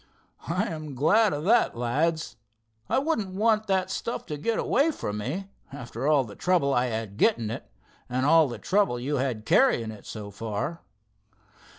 "I am glad o' that, lads. I wouldn't want that stuff to git away from me, after all the trouble I had gittin' it, an' all the trouble you had carryin' it so far."